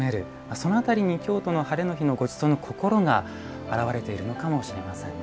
その辺りに京都のハレの日のごちそうの心が表れているのかもしれません。